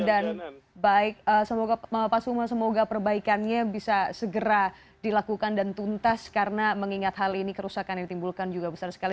dan baik semoga pak suma semoga perbaikannya bisa segera dilakukan dan tuntas karena mengingat hal ini kerusakan yang ditimbulkan juga besar sekali